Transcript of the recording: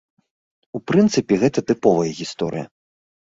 У прынцыпе, гэта тыповая гісторыя.